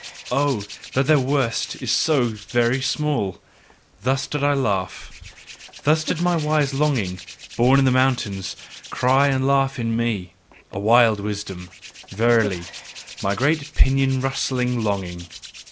Oh, that their worst is so very small! Thus did I laugh. Thus did my wise longing, born in the mountains, cry and laugh in me; a wild wisdom, verily! my great pinion rustling longing.